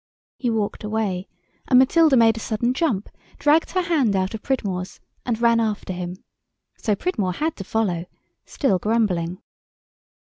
He walked away, and Matilda made a sudden jump, dragged her hand out of Pridmore's, and ran after him. So Pridmore had to follow, still grumbling.